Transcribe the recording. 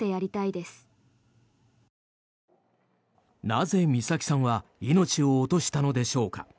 なぜ、美咲さんは命を落としたのでしょうか。